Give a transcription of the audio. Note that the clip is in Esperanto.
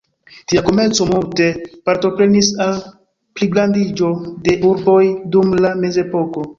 Tia komerco multe partoprenis al pligrandiĝo de urboj dum la mezepoko.